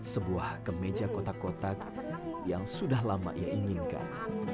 sebuah kemeja kotak kotak yang sudah lama ia inginkan